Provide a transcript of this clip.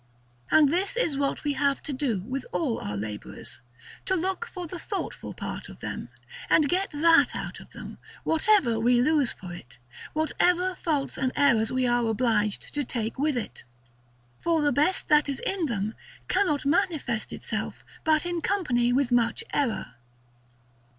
And this is what we have to do with all our laborers; to look for the thoughtful part of them, and get that out of them, whatever we lose for it, whatever faults and errors we are obliged to take with it. For the best that is in them cannot manifest itself, but in company with much error.